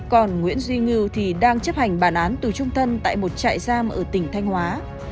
còn nguyễn duy ngư thì đang chấp hành bản án tù trung thân tại một trại giam ở tỉnh thanh hóa